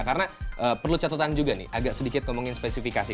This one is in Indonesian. karena perlu catatan juga nih agak sedikit ngomongin spesifikasi